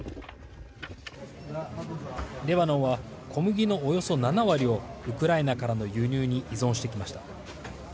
レバノンは小麦のおよそ７割をウクライナからの輸入に依存してきました。